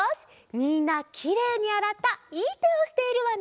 みんなきれいにあらったいいてをしているわね。